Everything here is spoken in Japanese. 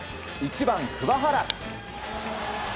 １番、桑原。